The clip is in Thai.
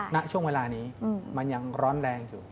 ณช่วงเวลานี้มันยังร้อนแรงอยู่